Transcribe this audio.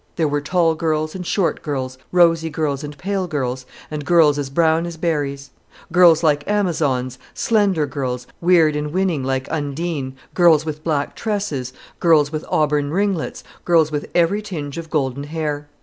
There were tall girls and short girls, rosy girls and pale girls, and girls as brown as berries; girls like Amazons, slender girls, weird and winning like Undine, girls with black tresses, girls with auburn ringlets, girls with every tinge of golden hair.